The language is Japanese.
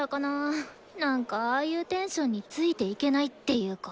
なんかああいうテンションについていけないっていうか。